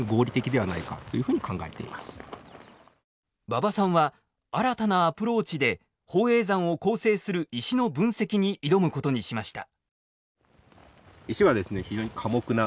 馬場さんは新たなアプローチで宝永山を構成する石の分析に挑むことにしました。